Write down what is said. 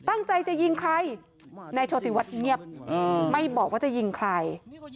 ตั้งใจจะยิงใครนายโชติวัฒน์เงียบไม่บอกว่าจะยิงใคร